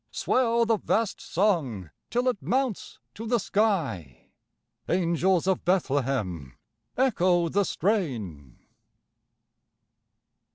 Swell the vast song till it mounts to the sky! Angels of Bethlehem, echo the strain!